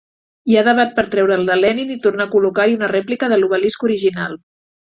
Hi ha debat per treure el de Lenin i tornar a col·locar-hi una rèplica de l'obelisc original.